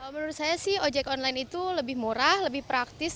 menurut saya sih ojek online itu lebih murah lebih praktis